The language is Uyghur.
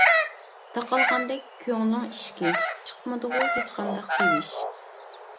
تاقالغاندەك كۆڭلۈڭ ئىشىكى، چىقمىدىغۇ ھېچقانداق تىۋىش.